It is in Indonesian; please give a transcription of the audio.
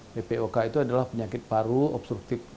ppok itu adalah penyakit paru obstruktif